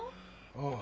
ああ。